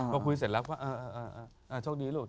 พอคุยเสร็จแล้วช่วงดีลูก